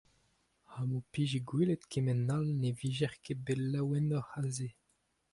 Ha m'ho pije gwelet kement all ne vijec'h ket bet laouenoc'h a se.